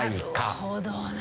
なるほどな。